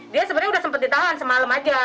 dia sebenarnya sudah sempat ditahan semalam saja